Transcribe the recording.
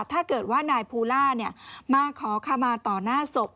ถ้าเกิดว่านายภูล่ามาขอขมาต่อหน้าศพ